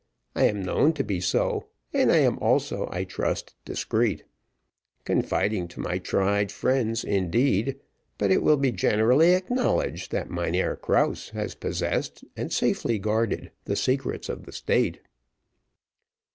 I am known to be so, and I am also, I trust, discreet; confiding to my tried friends, indeed, but it will be generally acknowledged that Mynheer Krause has possessed, and safely guarded, the secrets of the state."